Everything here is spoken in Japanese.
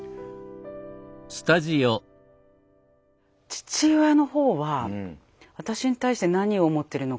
父親の方は私に対して何を思ってるのかって